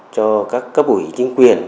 cho các cấp ủy chính quyền